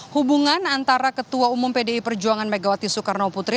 hubungan antara ketua umum pdi perjuangan megawati soekarno putri